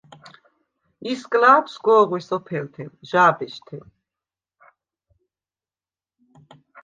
ისგლა̄თვ სგო̄ღვე სოფელთე, ჟა̄ბეშთე.